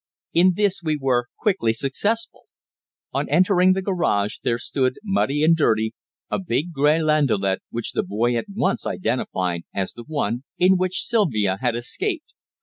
In this we were quickly successful. On entering the garage there stood, muddy and dirty, a big grey landaulette, which the boy at once identified as the one in which Sylvia had escaped.